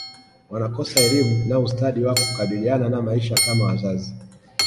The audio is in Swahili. wanakosa elimu na ustadi wa kukabiliana na maisha kama wazazi